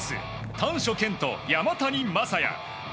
丹所健と山谷昌也。